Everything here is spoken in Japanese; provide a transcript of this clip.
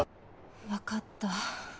わかった。